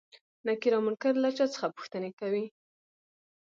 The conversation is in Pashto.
نکير او منکر له چا څخه پوښتنې کوي؟